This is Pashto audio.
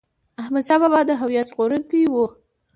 احمد شاه بابا د هویت ژغورونکی و.